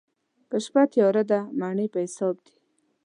که شپه تياره ده، مڼې په حساب دي.